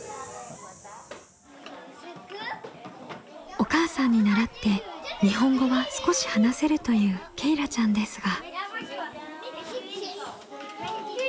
お母さんに習って日本語は少し話せるというけいらちゃんですが。